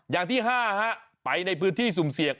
อย่างที่๕ไปในพื้นที่สุ่มเสี่ยง